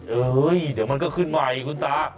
เฮ้ยเดี๋ยวมันก็ขึ้นใหม่คุณตา